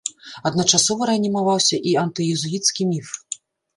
Адначасова рэанімаваўся і антыезуіцкі міф.